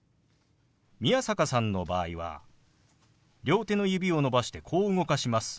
宮坂さんの場合は両手の指を伸ばしてこう動かします。